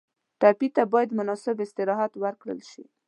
ټپي ته باید مناسب استراحت ورکړل شي.